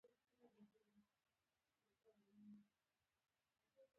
پوخ طعام وږې اراموي